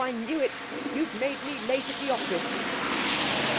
I knew it! You've made me late at the office!'